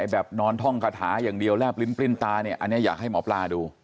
นอนท่องคาถาอย่างเดียวแลบลิ้นปลิ้นตาเนี่ยอันนี้อยากให้หมอปลาดู